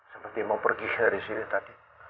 seperti mau pergi dari sini tadi